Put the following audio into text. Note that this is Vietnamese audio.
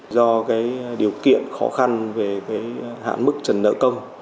do điều kiện khó khăn về hạn mức trần nợ công